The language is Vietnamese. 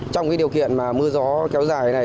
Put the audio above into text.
trong cái điều kiện mà mưa gió kéo dài này